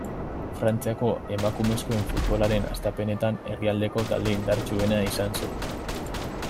Frantziako emakumezkoen futbolaren hastapenetan herrialdeko talde indartsuena izan zen.